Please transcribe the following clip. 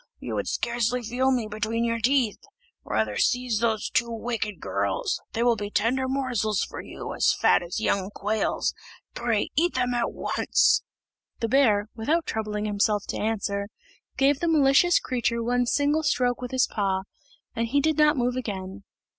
You would scarcely feel me between your teeth. Rather seize those two wicked girls; they will be tender morsels for you, as fat as young quails; pray, eat them at once." The bear, without troubling himself to answer, gave the malicious creature one single stroke with his paw, and he did not move again.